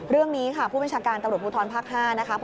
เรื่องนี้ค่ะผู้บัญชาการตำรวจภูทรภาค๕นะคะ